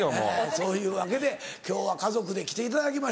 そういうわけで今日は家族で来ていただきました。